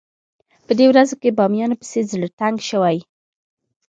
په دې ورځو کې بامیانو پسې زړه تنګ شوی.